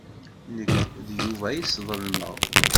Nekk d Yuba ay sḍelmeɣ.